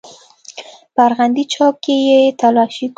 په ارغندې چوک کښې يې تلاشي کړو.